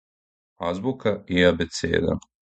азбука и абецеда